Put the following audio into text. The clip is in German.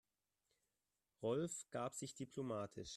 Rolf gab sich diplomatisch.